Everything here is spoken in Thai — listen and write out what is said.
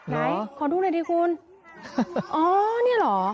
ไหนขอดูหน่อยดีคุณอ๋อนี่เหรอ